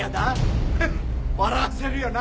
ヘッ笑わせるよな。